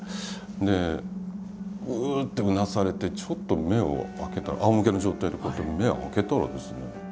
で「うう」ってうなされてちょっと目を開けたらあおむけの状態でこうやって目を開けたらですね